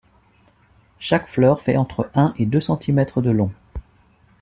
Chaque fleur fait entre un et deux centimètres de long.